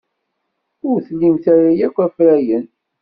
Ur tlimt ara akk afrayen.